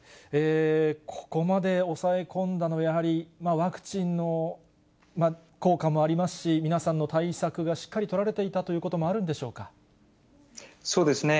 ここまで抑え込んだのはやはりワクチンの効果もありますし、皆さんの対策がしっかり取られていたということもあるんでしょうそうですね。